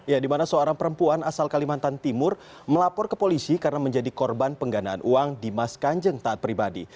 ya dimana seorang perempuan asal kalimantan timur melapor ke polisi karena menjadi korban pengganaan uang dimas kanjeng taat pribadi